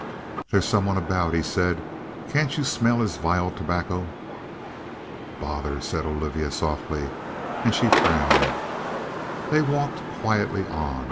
"There's some one about," he said. "Can't you smell his vile tobacco?" "Bother!" said Olivia softly, and she frowned. They walked quietly on.